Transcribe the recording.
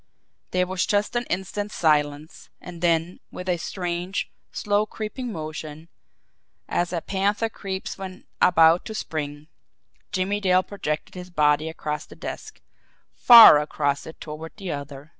There was just an instant's silence; and then, with a strange, slow, creeping motion, as a panther creeps when about to spring, Jimmie Dale projected his body across the desk far across it toward the other.